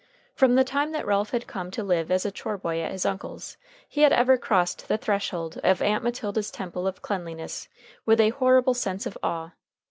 From the time that Ralph had come to live as a chore boy at his uncle's, he had ever crossed the threshold of Aunt Matilda's temple of cleanliness with a horrible sense of awe.